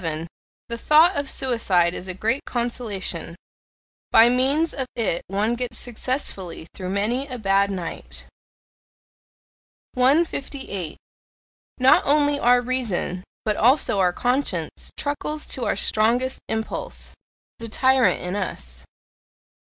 The thought of suicide is a great consolation: by means of it one gets successfully through many a bad night. 158. Not only our reason, but also our conscience, truckles to our strongest impulse the tyrant in us.